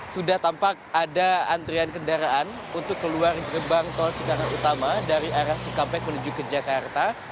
sudah tampak ada antrian kendaraan untuk keluar gerbang tol cikarang utama dari arah cikampek menuju ke jakarta